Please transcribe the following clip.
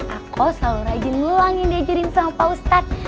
aku selalu rajin ngulangin diajarin sama pak ustadz